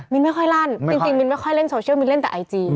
ไม่ค่อยลั่นจริงมินไม่ค่อยเล่นโซเชียลมินเล่นแต่ไอจี